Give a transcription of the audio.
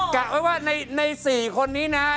กะไว้ในสี่คนนี้นะ